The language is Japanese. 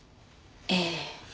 ええ。